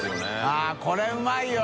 あっこれうまいよ！